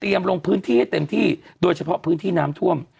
ลงพื้นที่ให้เต็มที่โดยเฉพาะพื้นที่น้ำท่วม